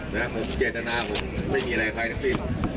นะฮะผมเจตนาผมไม่มีอะไรใครนะสิ